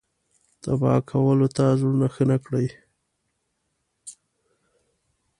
تبا کولو ته زړونه ښه نه کړي.